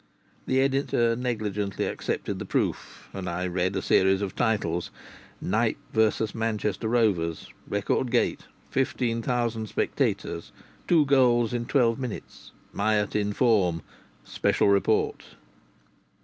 The editor negligently accepted the proof, and I read a series of titles: "Knype v. Manchester Rovers. Record Gate. Fifteen thousand spectators. Two goals in twelve minutes. Myatt in form. Special Report."